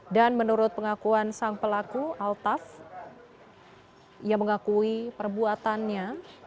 dan menurut pengakuan sang pelaku altaf yang mengakui perbuatannya